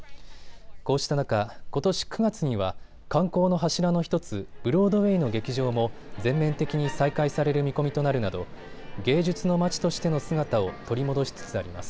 こうした中、ことし９月には観光の柱の１つ、ブロードウェイの劇場も全面的に再開される見込みとなるなど芸術の街としての姿を取り戻しつつあります。